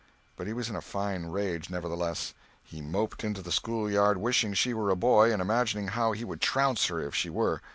But he was in a fine rage, nevertheless. He moped into the schoolyard wishing she were a boy, and imagining how he would trounce her if she were.